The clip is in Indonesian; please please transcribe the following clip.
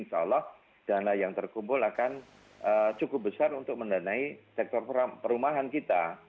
insya allah dana yang terkumpul akan cukup besar untuk mendanai sektor perumahan kita